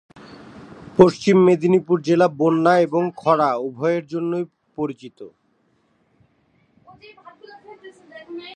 পশ্চিম মেদিনীপুর জেলা বন্যা এবং খরা উভয়েরই জন্য পরিচিত।